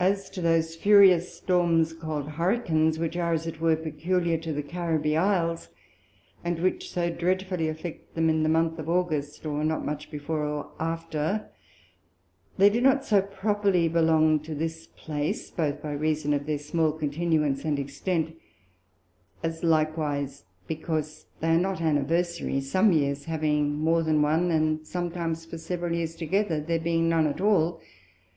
As to those furious Storms call'd Hurricanes, which are, as it were, peculiar to the Caribbee Isles; and which so dreadfully afflict them in the Month of August, or not much before or after, they do not so properly belong to this place, both by Reason of their small continuance and extent, as likewise because they are not Anniversary, some Years having more than one, and sometimes for several Years together there being none at all.